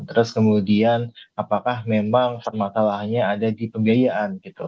terus kemudian apakah memang permasalahannya ada di pembiayaan gitu